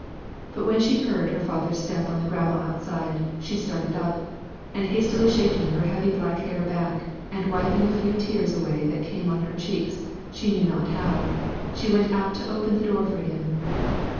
But when she heard her father's step on the gravel outside, she started up, and hastily shaking her heavy black hair back, and wiping a few tears away that had come on her cheeks she knew not how, she went out to open the door for him.